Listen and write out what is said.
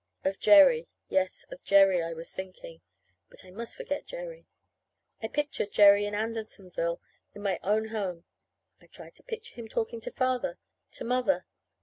Of Jerry; yes, of Jerry I was thinking. But I must forget Jerry. I pictured Jerry in Andersonville, in my own home. I tried to picture him talking to Father, to Mother.